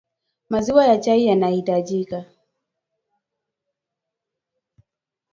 maziwa ya chai yanahitajika